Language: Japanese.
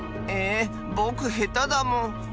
えぼくへただもん。